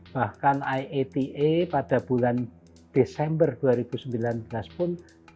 bahkan iata pada bulan desember dua ribu sembilan belas pun